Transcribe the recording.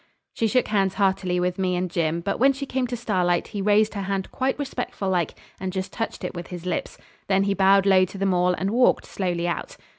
She shook hands heartily with me and Jim, but when she came to Starlight he raised her hand quite respectful like and just touched it with his lips. Then he bowed low to them all and walked slowly out.